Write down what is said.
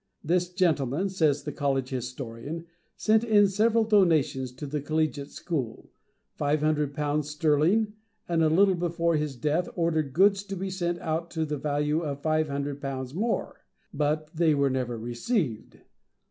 "This gentleman," says the College historian, "sent, in several donations, to the Collegiate School, five hundred pounds sterling; and a little before his death, ordered goods to be sent out to the value of five hundred pounds more; but they were never received.